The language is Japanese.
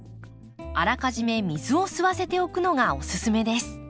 あらかじめ水を吸わせておくのがおすすめです。